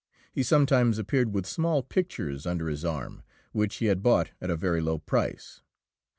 He sometimes appeared with small pictures under his arm, which he had bought at a very low price.